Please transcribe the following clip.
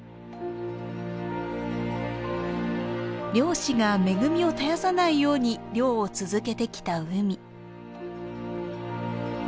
漁師が恵みを絶やさないように漁を続けてきた海。